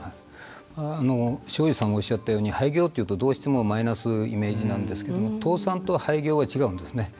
庄司さんもおっしゃったように廃業というとどうしてもマイナスイメージなんですけど倒産と廃業は違うんですね。